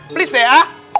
please deh ah